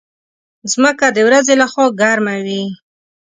مځکه د ورځې له خوا ګرمه وي.